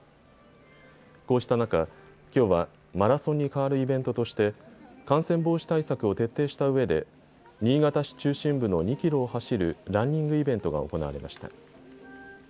こうした中、きょうはマラソンに代わるイベントとして感染防止対策を徹底したうえで新潟市中心部の２キロを走るランニングイベントが行われました。